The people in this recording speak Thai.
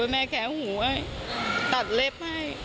ไอ้แม่แค้วหูให้ตัดเล็บให้